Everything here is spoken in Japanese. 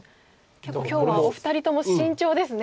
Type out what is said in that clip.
結構今日はお二人とも慎重ですね。